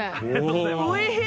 おいしい！